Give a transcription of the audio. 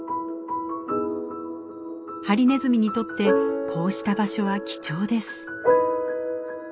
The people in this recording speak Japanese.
ハリネズミにとってこうした場所は貴重です。